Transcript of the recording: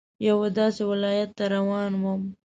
یوه داسې ولايت ته روان وم.